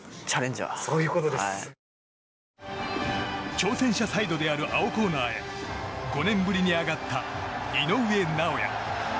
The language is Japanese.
挑戦者サイドにある青コーナーへ５年ぶりに上がった井上尚弥。